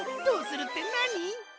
どうするってなに？